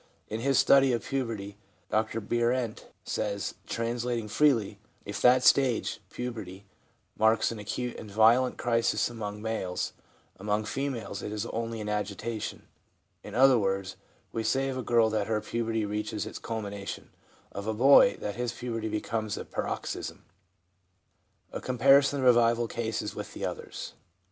In his study of puberty, Dr Bierent says (translating freely), ' If that stage (puberty) marks an acute and violent crisis among males, among females it is only an agitation. In other words, we say of a girl that her puberty reaches its culmination ; of a boy, that his puberty becomes a paroxysm/ l A Comparison of the Revival Cases with the Others.